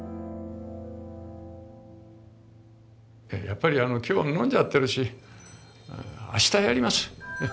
やっぱりあの今日飲んじゃってるしあしたやります。